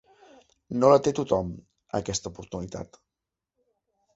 No la té tothom, aquesta oportunitat.